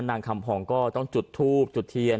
นางคำผ่องก็ต้องจุดทูบจุดเทียน